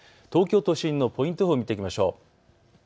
東京都心のポイント予報を見ていきましょう。